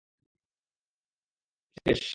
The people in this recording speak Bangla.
এটাই কি সর্বশেষ?